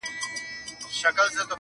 نن یې وار د پاڅېدو دی،